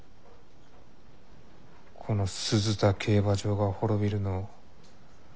この鈴田競馬場が滅びるのを。